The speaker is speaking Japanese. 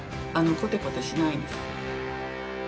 コテコテしないです。